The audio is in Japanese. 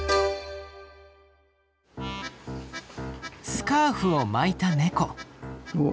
スカーフを巻いたネコ。